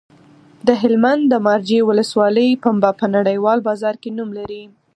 د هلمند د مارجې ولسوالۍ پنبه په نړیوال بازار کې نوم لري.